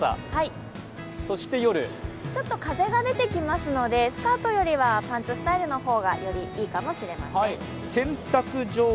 そして夜、ちょっと風が出てきますので、スカートよりはパンツスタイルがいいかもしれません。